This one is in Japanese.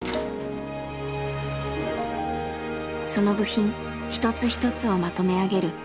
その部品一つ一つをまとめ上げる重要な役割。